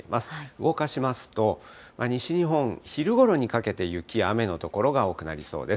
動かしますと、西日本、昼ごろにかけて雪や雨の所が多くなりそうです。